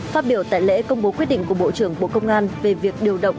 phát biểu tại lễ công bố quyết định của bộ trưởng bộ công an về việc điều động